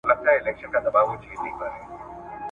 پر ګرېوانه دانه دانه شمېرلې ,